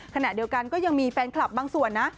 ขณะเดียวกันก็ยังมีแฟนคลับบางส่วนนะ